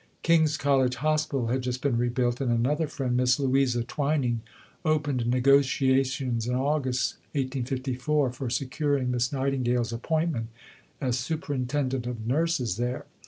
King's College Hospital had just been rebuilt, and another friend, Miss Louisa Twining, opened negotiations in August 1854 for securing Miss Nightingale's appointment as Superintendent of Nurses there.